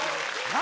何？